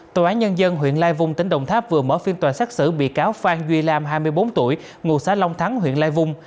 tòa án nhân dân huyện lai vung tỉnh đồng tháp vừa mở phiên tòa xét xử bị cáo phan duy lam hai mươi bốn tuổi ngụ xã long thắng huyện lai vung